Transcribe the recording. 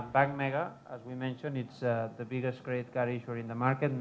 bank mega adalah perusahaan yang besar di pasar bukan hanya ini